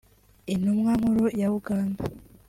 Intumwa Nkuru ya Uganda